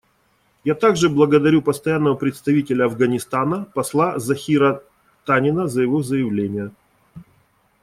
Я также благодарю Постоянного представителя Афганистана посла Захира Танина за его заявление.